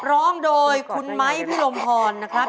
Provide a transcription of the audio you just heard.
ร้องโดยคุณไม้พิรมพรนะครับ